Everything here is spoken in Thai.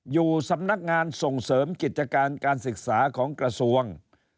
อยู่สำนักงานส่งเสริมกิจการการศึกษาของกระทรวง